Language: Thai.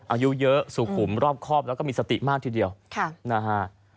อายุเยอะสุขุมรอบครอบแล้วก็มีสติมากทีเดียวนะฮะ